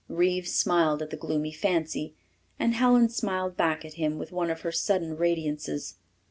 Reeves smiled at the gloomy fancy, and Helen smiled back at him with one of her sudden radiances.